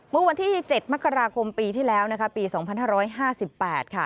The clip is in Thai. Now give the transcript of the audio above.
เมื่อวันที่เจ็ดมกราคมปีที่แล้วนะคะปีสองพันห้าร้อยห้าสิบแปดค่ะ